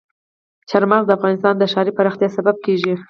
چار مغز د افغانستان د ښاري پراختیا سبب کېږي.